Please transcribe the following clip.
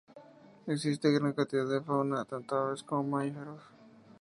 Existe gran cantidad de fauna, tanto aves como mamíferos.